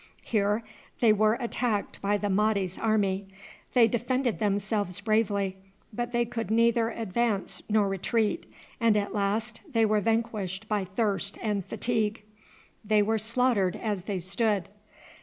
Here they were attacked by the Mahdi's army. They defended themselves bravely, but they could neither advance nor retreat, and at last they were vanquished by thirst and fatigue. They were slaughtered as they stood.